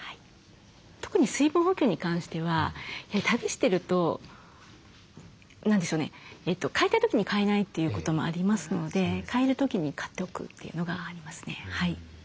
特に水分補給に関しては旅してると何でしょうね買いたい時に買えないということもありますので買える時に買っておくというのがありますね。